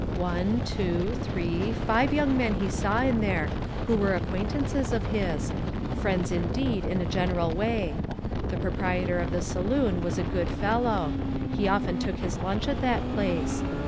One, two, three, five young men he saw in there, who wers acquaintances of his ; friends, indeed, in a general way. The proprietor of the saloon was a good fellow. He often took his lunch at that place.